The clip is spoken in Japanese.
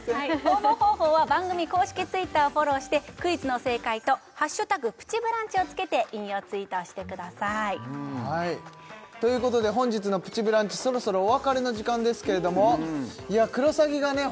応募方法は番組公式Ｔｗｉｔｔｅｒをフォローしてクイズの正解と「＃プチブランチ」をつけて引用ツイートをしてくださいということで本日の「プチブランチ」そろそろお別れの時間ですけれども「クロサギ」がね